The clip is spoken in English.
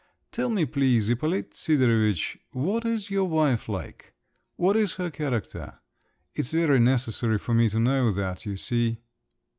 "Tell me, please, Ippolit Sidorovitch, what is your wife like? What is her character? It's very necessary for me to know that, you see."